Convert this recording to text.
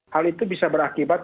hal itu bisa berakibat